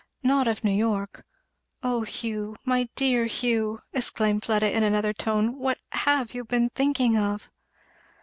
"Not of New York. O Hugh, my dear Hugh," exclaimed Fleda in another tone, "what have you been thinking of?"